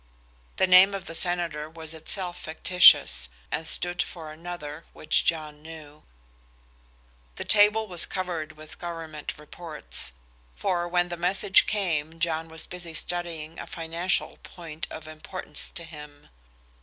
The name of the senator was itself fictitious, and stood for another which John knew. The table was covered with Government reports, for when the message came John was busy studying a financial point of importance to him.